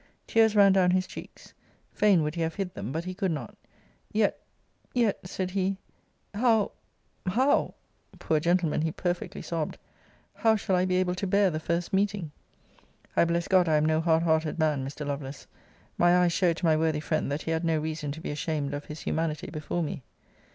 Tears ran down his cheeks. Fain would he have hid them: but he could not 'Yet yet, said he how how ' [poor gentleman, he perfectly sobbed,] 'how shall I be able to bear the first meeting!' I bless God I am no hard hearted man, Mr. Lovelace: my eyes showed to my worthy friend, that he had no reason to be ashamed of his humanity before me.